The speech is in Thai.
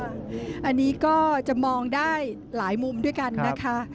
อันนี้ก็จะมองได้หลายมุมด้วยกันนะคะ